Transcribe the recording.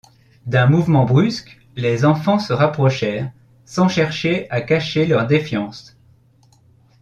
D’un mouvement brusque, les enfants se rapprochèrent, sans chercher à cacher leur défiance.